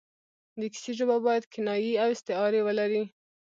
د کیسې ژبه باید کنایې او استعارې ولري.